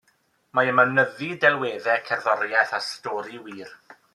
Mae yma nyddu delweddau, cerddoriaeth a stori wir.